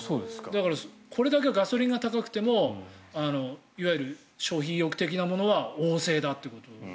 だからこれだけガソリンが高くてもいわゆる消費意欲的なものは旺盛だという。